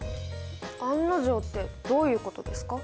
案の定ってどういうことですか？